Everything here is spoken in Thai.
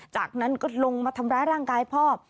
จากนั้นก็ลงมาทำร้ายร่างกายพ่อ